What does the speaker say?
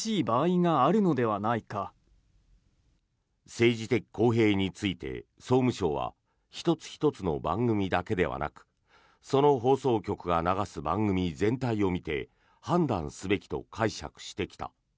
政治的公平について総務省は１つ１つの番組だけではなくその放送局が流す番組全体を見て判断すべきと解釈してきた。